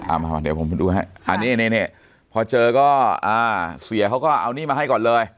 อ่ามามาเดี๋ยวผมดูให้อ่าเนี่ยเนี่ยเนี่ยพอเจอก็เสียเขาก็เอานี่มาให้ก่อนเลย